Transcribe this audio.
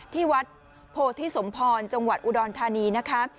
ที่วัดโพธิสมพรจังหวัดอุดรธานีนะคะ